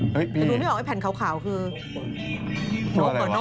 แต่ดูนี่เหรอไอ้แผ่นขาวคือ